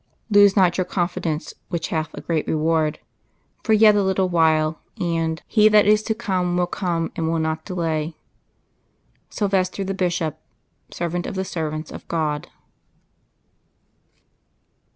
"_Lose not your confidence which hath a great reward. For yet a little while, and, He that is to come will come and will not delay_. Silvester the Bishop, Servant of the Servants of God."